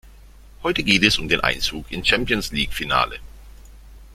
Heute geht es um den Einzug ins Champions-League-Finale.